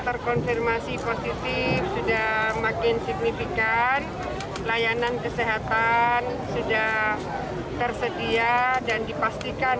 terkonfirmasi positif sudah makin signifikan layanan kesehatan sudah tersedia dan dipastikan